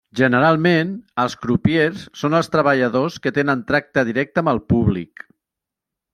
Generalment, els crupiers són els treballadors que tenen tracte directe amb el públic.